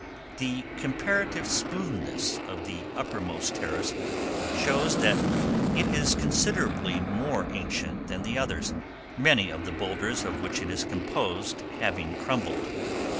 The comparative smoothness of the upper most terrace shows that it is considerably more ancient than the others, many of the boulders of which it is composed having crumbled.